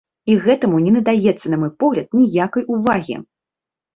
І гэтаму не надаецца, на мой погляд, ніякай увагі!